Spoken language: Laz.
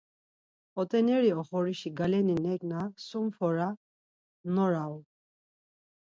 P̌ot̆eneri oxorişi galeni neǩna sum fora norau.